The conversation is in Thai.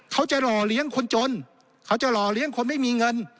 หล่อเลี้ยงคนจนเขาจะหล่อเลี้ยงคนไม่มีเงิน